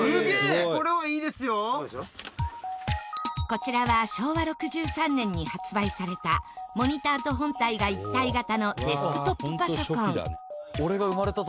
こちらは昭和６３年に発売されたモニターと本体が一体型のデスクトップパソコン。